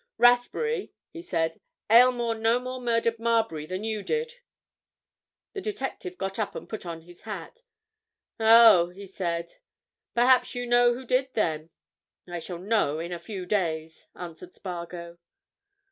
"Rathbury!" he said. "Aylmore no more murdered Marbury than you did!" The detective got up and put on his hat. "Oh!" he said. "Perhaps you know who did, then?" "I shall know in a few days," answered Spargo.